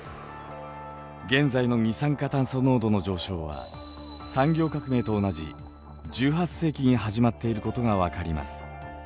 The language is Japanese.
現在の二酸化炭素濃度の上昇は産業革命と同じ１８世紀に始まっていることが分かります。